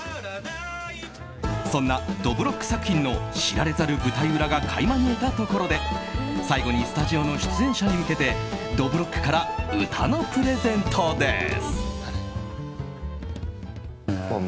そんなどぶろっく作品の知られざる舞台裏が垣間見えたところで最後にスタジオの出演者に向けてどぶろっくから歌のプレゼントです。